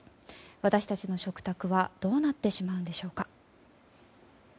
私たちの食卓はどうなってしまうんでしょうか。